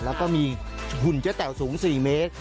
แล้วก็มีหุ่นเจ๊แต๋วสูง๔เมตร